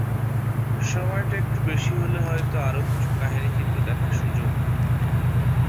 সময়টা একটু বেশি হলে হয়তো আরও কিছু কাহিনিচিত্র দেখার সুযোগ হতো।